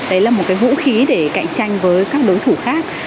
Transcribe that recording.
đấy là một cái vũ khí để cạnh tranh với các đối thủ khác